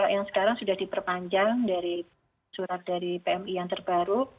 yang sekarang sudah diperpanjang dari surat dari pmi yang terbaru